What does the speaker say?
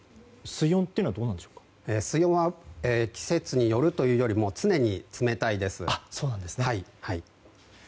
水温は季節によるというよりも常に冷たいです。